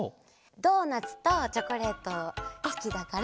ドーナツとチョコレートがすきだから。